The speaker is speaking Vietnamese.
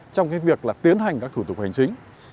trong cái việc là tiến hành các thủ tục hành chính